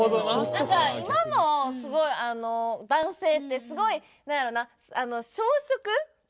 何か今のすごいあの男性ってすごい何やろな小食？